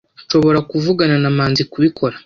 Nshobora kuvugana na Manzi kubikora